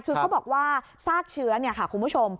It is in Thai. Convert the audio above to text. คือเขาบอกว่าซากเชื้อคุณผู้ชม